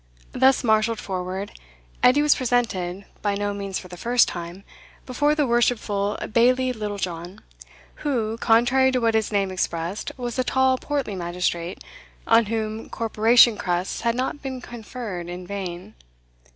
Thus marshalled forward, Edie was presented (by no means for the first time) before the worshipful Bailie Littlejohn, who, contrary to what his name expressed, was a tall portly magistrate, on whom corporation crusts had not been conferred in vain.